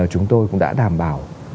chúng tôi cũng đã đảm bảo